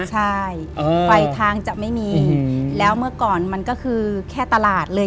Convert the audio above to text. ใช่ไฟทางจะไม่มีแล้วเมื่อก่อนมันก็คือแค่ตลาดเลย